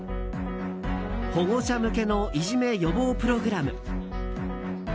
保護者向けのいじめ予防プログラム。